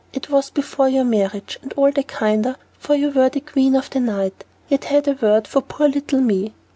It was before your marriage, and all the kinder, for you were the queen of the night, yet had a word for poor little me."